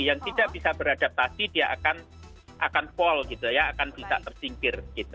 yang tidak bisa beradaptasi dia akan fall gitu ya akan bisa tersingkir gitu